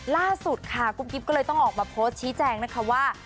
ล่าสุดค่ะกุ๊บกิ๊บก็เลยต้องออกมาโพสต์ชี้แจงนะคะว่า